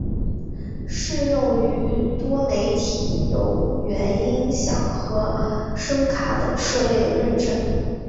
适用于多媒体有源音箱和声卡等设备的认证。